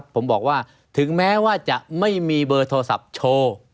ผมบอกว่าถึงแม้ว่าจะไม่มีเบอร์โทรศัพท์โชว์